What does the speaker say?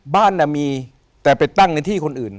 บ้านมีแต่ไปตั้งในที่คนอื่น